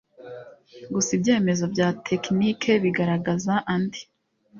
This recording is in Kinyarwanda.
Gusa ibyemezo bya tekiniki bigaragaza andi